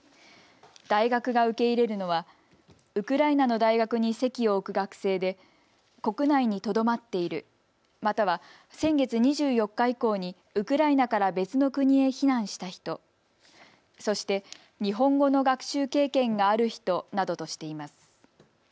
大学が受け入れるのはウクライナの大学に籍を置く学生で国内にとどまっているまたは、先月２４日以降にウクライナから別の国へ避難した人、そして日本語の学習経験がある人などとしています。